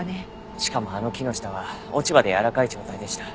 しかもあの木の下は落ち葉でやわらかい状態でした。